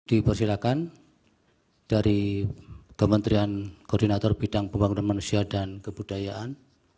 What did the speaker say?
dipersilakan dari kementerian koordinator bidang pembangunan manusia dan kebudayaan